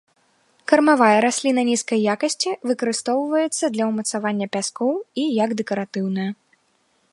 Кармавая расліна нізкай якасці, выкарыстоўваецца для ўмацавання пяскоў і як дэкаратыўная.